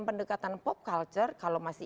pendekatan pop culture kalau masih